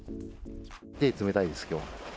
手、冷たいです、きょうは。